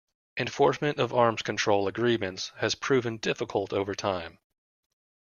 Enforcement of arms control agreements has proven difficult over time.